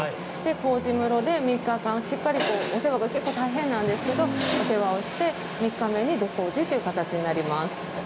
こうじ室で３日間しっかりお世話が結構、大変なんですけどお世話をして、３日目に米こうじという形になります。